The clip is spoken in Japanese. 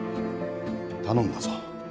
頼んだぞ。